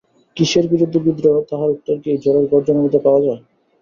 কিসের বিরুদ্ধে বিদ্রোহ, তাহার উত্তর কি এই ঝড়ের গর্জনের মধ্যে পাওয়া যায়?